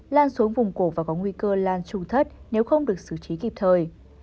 lan xuống vùng cổ và có nguy cơ lan trù thất nếu không được xử trí kịp thời